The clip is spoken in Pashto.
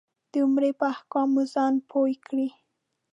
د عمرې په احکامو ځان پوی کړې.